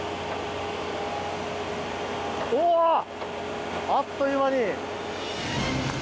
おお！あっという間に！